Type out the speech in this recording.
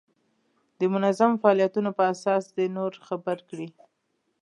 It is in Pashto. د منظمو فعالیتونو په اساس دې نور خبر کړي.